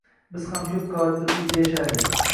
Biz ham koʻp qavatli uyda yashardik.